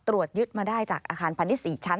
ตรวจยึดมาได้จากอาคารพาณิชย์๔ชั้น